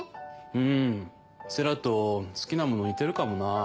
うん星来と好きなもの似てるかもな。